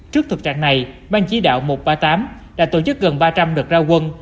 trước thực trạng này ban chỉ đạo một trăm ba mươi tám đã tổ chức gần ba trăm linh đợt ra quân